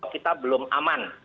kita belum aman